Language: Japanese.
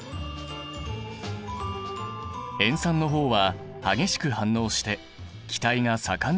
塩酸の方は激しく反応して気体が盛んに発生する。